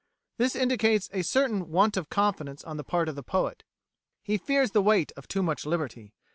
This indicates a certain want of confidence on the part of the poet; he fears the weight of too much liberty.